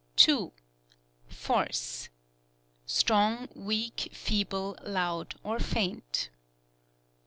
2. Force — strong, weak, feeble, loud or faint.